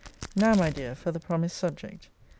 Now, my dear, for the promised subject.